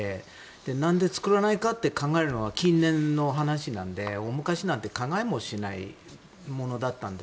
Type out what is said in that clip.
何で作らないかって考えるのは近年の話なので大昔なんて考えもしないものだったんです。